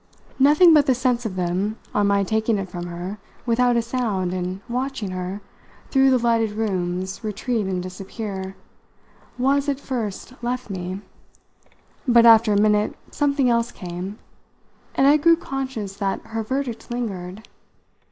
Nothing but the sense of them on my taking it from her without a sound and watching her, through the lighted rooms, retreat and disappear was at first left me; but after a minute something else came, and I grew conscious that her verdict lingered.